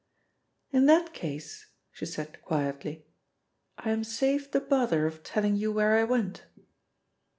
"In that case," she said quietly, "I am saved the bother of telling you where I went."